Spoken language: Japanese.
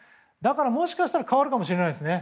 もしかしたら変わるかもしれないですね。